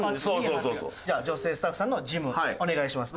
じゃあ女性スタッフさんのジムお願いします。